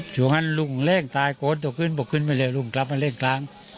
ช่วงงั้นลุงเล่งตายโกรธตัวขึ้นบอกขึ้นไปเลยลุงครับมันเล่งครั้ง